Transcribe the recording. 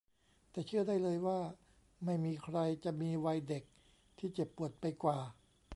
แต่เชื่อได้เลยว่าไม่มีใครจะมีวัยเด็กที่เจ็บปวดไปกว่า